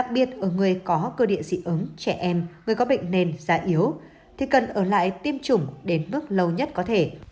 nếu có bệnh nhân bị ứng trẻ em người có bệnh nền giá yếu thì cần ở lại tiêm chủng đến bước lâu nhất có thể